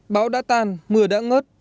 bão đã tan mưa đã ngớt